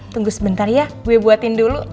tunggu sebentar ya gue buatin dulu